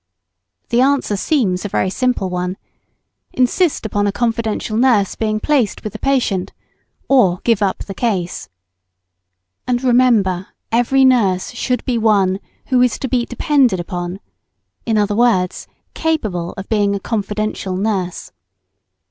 The answer seems a very simple one, insist on a confidential nurse being placed with the patient, or give up the case. [Sidenote: What a confidential nurse should be.] And remember every nurse should be one who is to be depended upon, in other words, capable of being, a "confidential" nurse.